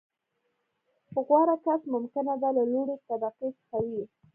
• غوره کس ممکنه ده، له لوړې طبقې څخه وي.